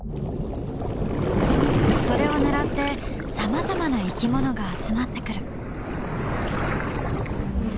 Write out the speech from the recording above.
それを狙ってさまざまな生き物が集まってくる。